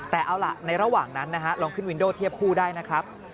แต่เอาล่ะในระหว่างนั้นนะฮะลองขึ้นวินโดเทียบคู่ได้นะครับ